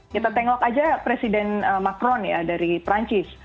kita tengok aja presiden macron ya dari perancis